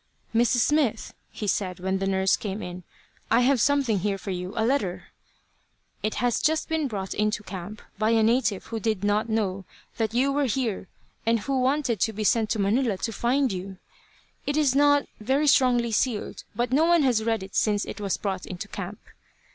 "Mrs. Smith," he said, when the nurse came in, "I have something here for you a letter. It has just been brought into camp, by a native who did not know that you were here and who wanted to be sent to Manila to find you. It is not very strongly sealed, but no one has read it since it was brought into camp."